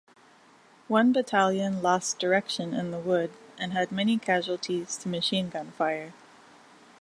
One battalion lost direction in the wood and had many casualties to machine-gun fire.